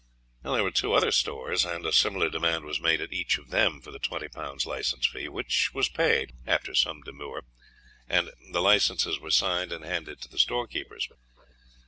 There were two other stores, and a similar demand was made at each of them for the 20 pounds license fee, which was paid after some demur, and the licenses were signed and handed to the storekeepers.